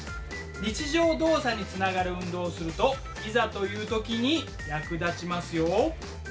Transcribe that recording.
日常動作につながる運動をするといざという時に役立ちますよ。